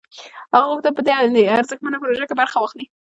هغه غوښتل په دې ارزښتمنه پروژه کې برخه واخلي